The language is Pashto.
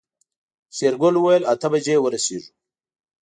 شېرګل وويل اته بجې ورسيږو.